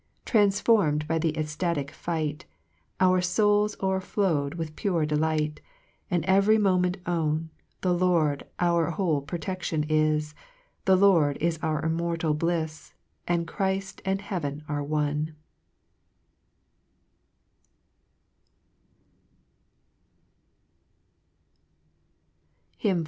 4 Transformed by the ecliatic fight, Our fouls o't'rflow with pure delight, And every moment own, The Lord our whole protection is, The Lord is our immortal blifs, And Chrift aud Heaven are one.